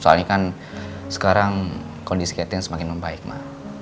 soalnya kan sekarang kondisi catherine semakin membaik ma